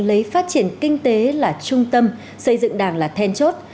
lấy phát triển kinh tế là trung tâm xây dựng đảng là then chốt